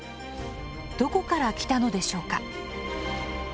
どこから来たのでしょうか？